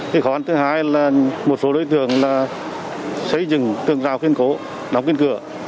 cái khóa thứ hai là một số đối tượng xây dựng tường rào khuyên cố đóng kênh cửa